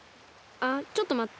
あっちょっとまって。